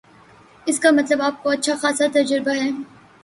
اس کا مطلب آپ کو اچھا خاصا تجربہ ہے